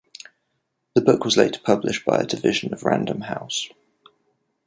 The book was later published by a division of Random House.